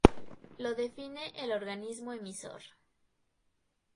Lo define el organismo emisor.